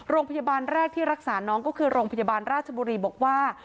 โรงพยาบาลแรกที่รักษาน้องก็คือโรงพยาบาลราชบุรีบอกว่า